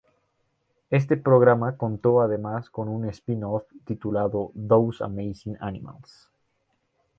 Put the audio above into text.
Este programa contó además con un spin-off titulado "Those Amazing Animals".